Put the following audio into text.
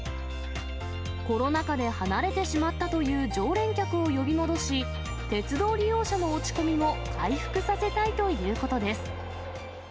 コロナ禍で離れてしまったという常連客を呼び戻し、鉄道利用者の落ち込みも回復させたいということです。